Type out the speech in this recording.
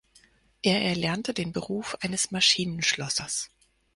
Er erlernte den Beruf eines Maschinenschlossers.